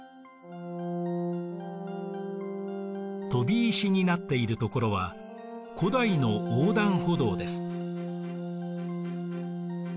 飛び石になっているところは古代の横断歩道です。